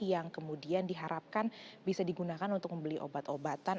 yang kemudian diharapkan bisa digunakan untuk membeli obat obatan